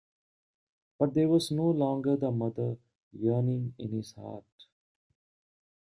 But there was no longer the mother yearning in his heart.